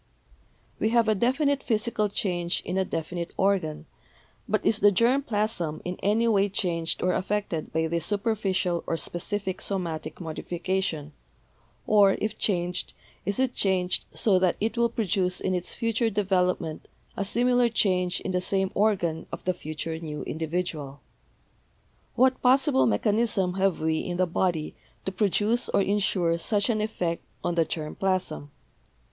We have a definite physical change in a definite organ, but is the germ plasm in any way changed or affected by this super ficial or specific somatic modification, or, if changed, is it changed so that it will produce in its future develop ment a similar change in the same organ of the future new individual? What possible mechanism have we in the body to produce or insure such an effect on the germ plasm?